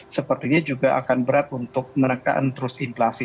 sepertinya juga akan berat untuk menekan terus inflasi